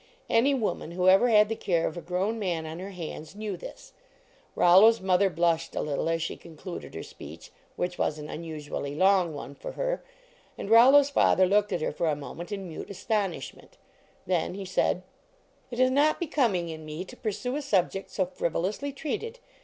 Any woman who ever had the care of a grown man on her hands knew this. Rollo s mother blushed a little as she concluded her speech, which was an unusually long one for her, and Rollo s father looked at her for a moment in mute astonishment. Then he said: " It is not becoming in me to pursue a sub ject so frivolously treated.